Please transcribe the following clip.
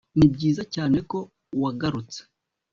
nibyiza cyane ko wagarutse